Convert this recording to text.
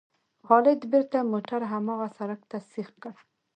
خالد بېرته موټر هماغه سړک ته سیخ کړ.